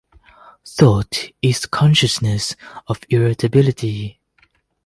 Thought is consciousness of irritability.